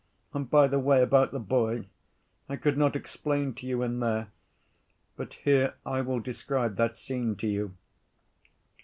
And, by the way, about the boy: I could not explain to you in there, but here I will describe that scene to you.